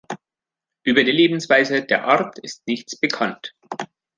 Über die Lebensweise der Art ist nichts bekannt.